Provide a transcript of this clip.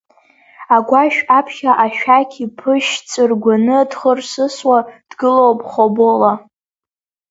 Агәашә аԥхьа ашәақь иԥышьҵыргәаны дхырсысуа дгылоуп Хобола.